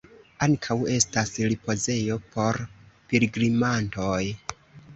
Ankaŭ estas ripozejo por pilgrimantoj.